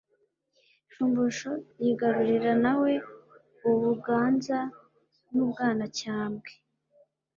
Shumbusho yigarurira na we u Buganza n’u Bwanacyambwe